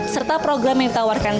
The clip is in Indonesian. serta program yang ditawarkan